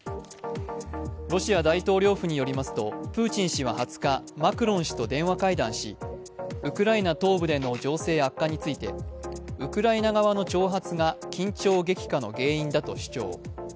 ロシア大統領府によりますとプーチン氏は２０日、マクロン氏と電話会談し、ウクライナ東部での情勢悪化についてウクライナ側の挑発が緊張激化の原因だと主張。